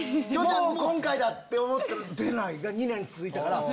今回だって思ったら出ない！が２年続いたから。